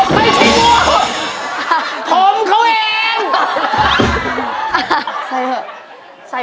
มันกำลังแย่